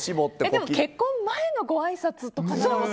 結婚前のごあいさつとか。